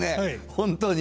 本当に。